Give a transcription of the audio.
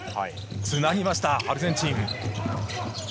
つなぎました、アルゼンチン。